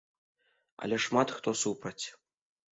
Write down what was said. Але шмат хто супраць.